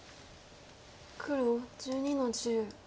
黒１２の十。